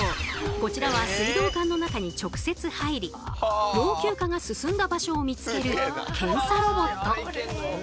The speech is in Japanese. こちらは水道管の中に直接入り老朽化が進んだ場所を見つける検査ロボット。